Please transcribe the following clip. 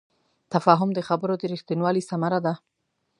تفاهم د خبرو د رښتینوالي ثمره ده.